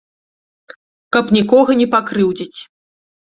Каб нікога не пакрыўдзіць.